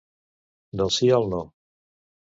Del sí al no.